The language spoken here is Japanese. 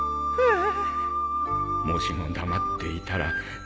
ああ